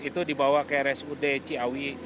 itu dibawa ke rsud ciawi